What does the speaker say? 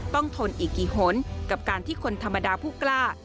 ทนอีกกี่หนกับการที่คนธรรมดาผู้กล้า